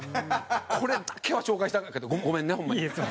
これだけは紹介したかったけどごめんね、ホンマに。